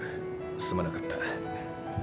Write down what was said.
すまなかった。